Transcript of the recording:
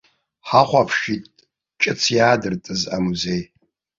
Ҳахәаԥшит ҿыц иаадыртыз амузеи.